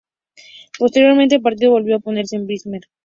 Posteriormente el partido volvió a oponerse a Bismarck.